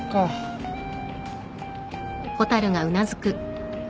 うん。